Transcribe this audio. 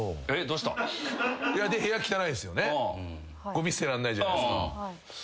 ごみ捨てらんないじゃないですか。